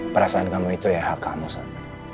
perasaan kamu itu ya hak kamu sama